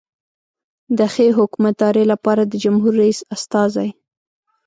د ښې حکومتدارۍ لپاره د جمهور رئیس استازی.